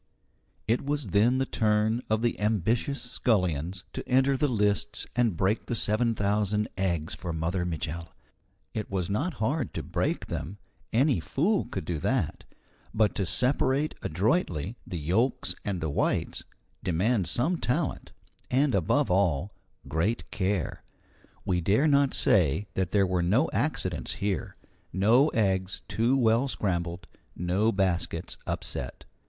It was then the turn of the ambitious scullions to enter the lists and break the seven thousand eggs for Mother Mitchel. It was not hard to break them any fool could do that; but to separate adroitly the yolks and the whites demands some talent, and, above all, great care. We dare not say that there were no accidents here, no eggs too well scrambled, no baskets upset.